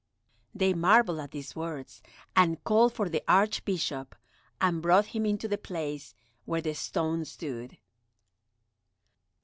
They marvelled at these words, and called for the Archbishop, and brought him into the place where the stone stood.